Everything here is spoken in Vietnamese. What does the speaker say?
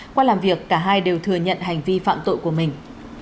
qua làm việc cả hai đều thừa nhận hành vi phạm tội của mình